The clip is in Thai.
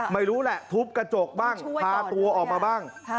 ไม่รู้แหละทุบกระจกบ้างพาตัวออกมาบ้าง